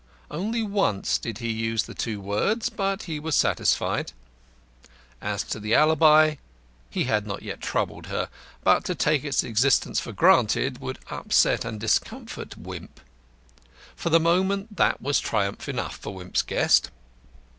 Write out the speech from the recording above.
Only once did he use the two words, but he was satisfied. As to the alibi, he had not yet troubled her; but to take its existence for granted would upset and discomfort Wimp. For the moment that was triumph enough for Wimp's guest.